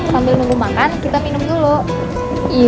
sambil nunggu makan kita minum dulu